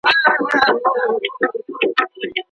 په قلم خط لیکل موخي ته د رسیدو نقشه ده.